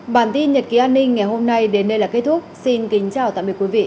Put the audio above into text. hãy đăng ký kênh để ủng hộ kênh của mình nhé